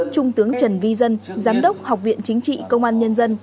trung tướng trần vi dân giám đốc học viện chính trị công an nhân dân